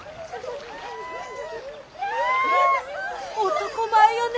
男前よね！